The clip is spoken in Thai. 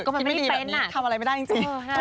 ก็มันไม่เป็นนะทำอะไรไม่ได้จริงคิดไม่ดีแบบนี้ทำอะไรไม่ได้จริง